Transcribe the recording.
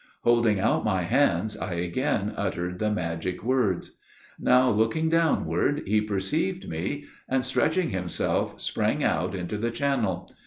Holding out my hands I again uttered the magic words. Now looking downward he perceived me, and, stretching himself, sprang out into the channel.